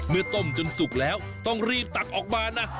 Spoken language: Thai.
เมื่อต้มจนสุกแล้วต้องรีบตักออกมานะ